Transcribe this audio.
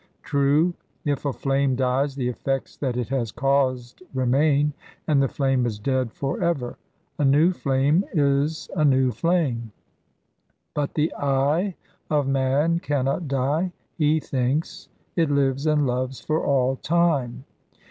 True, if a flame dies the effects that it has caused remain, and the flame is dead for ever. A new flame is a new flame. But the 'I' of man cannot die, he thinks; it lives and loves for all time.